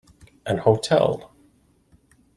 An hotel.